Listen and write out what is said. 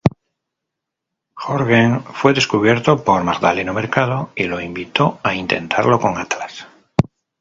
Jürgen fue descubierto por Magdaleno Mercado y lo invitó a intentarlo con Atlas.